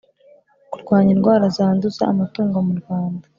kurwanya indwara zanduza amatungo mu Rwanda